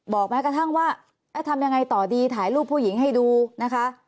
แม้กระทั่งว่าทำยังไงต่อดีถ่ายรูปผู้หญิงให้ดูนะคะ